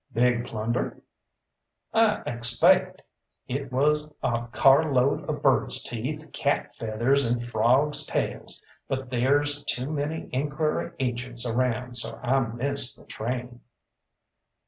"Big plunder?" "I expaict. It was a carload of birds' teeth, cat feathers, and frawgs' tails; but there's too many inquiry agents around, so I missed the train."